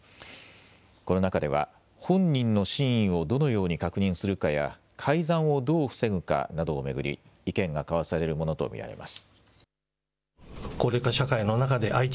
この中では本人の真意をどのように確認するかや、改ざんをどう防ぐかなどを巡り意見が交わされるものと見られます。